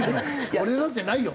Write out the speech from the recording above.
俺だってないよ。